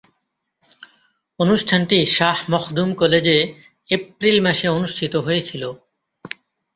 অনুষ্ঠানটি শাহ মখদুম কলেজে এপ্রিল মাসে অনুষ্ঠিত হয়েছিলো।